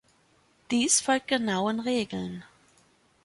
Dies folgt genauen Regeln.